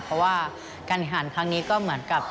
เพราะว่าการแข่งขันครั้งนี้ก็เหมือนกับ